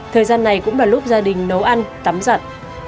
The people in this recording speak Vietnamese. thời gian này cũng là lúc gia đình nấu ăn tắm giặt